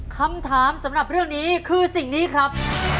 คำถามสำหรับเรื่องนี้คือสิ่งนี้ครับ